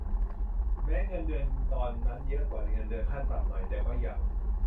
แม้เงินเดือนตอนนั้นเยอะกว่าเงินเดือนขั้นต่ำหน่อยแต่ก็ยัง